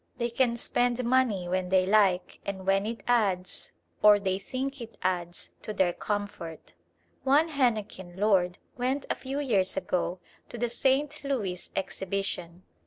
They can spend money when they like and when it adds, or they think it adds, to their comfort. One henequen lord went a few years ago to the St. Louis Exhibition.